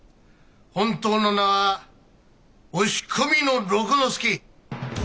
本当の名は押し込みの六之助！